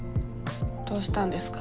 どうしたんですか？